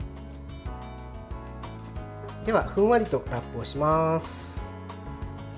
では、ふんわりとラップをします。